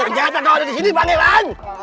ternyata kau udah disini bang heran